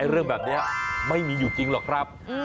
เรื่องแบบนี้ไม่มีอยู่จริงหรอกครับ